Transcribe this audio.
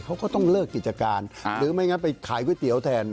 เขาก็ต้องเลิกกิจการหรือไม่งั้นไปขายก๋วยเตี๋ยวแทน